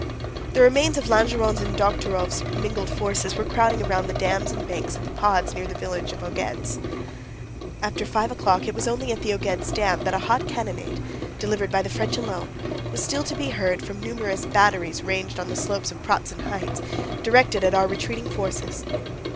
The remains of Langeron's and Dokhtúrov's mingled forces were crowding around the dams and banks of the ponds near the village of Augesd. After five o'clock it was only at the Augesd Dam that a hot cannonade (delivered by the French alone) was still to be heard from numerous batteries ranged on the slopes of the Pratzen Heights, directed at our retreating forces.